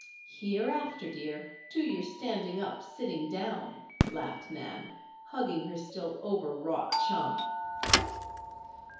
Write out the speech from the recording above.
"Hereafter, dear, do your standing up, sitting down," laughed Nan, hugging her still overwrought chum.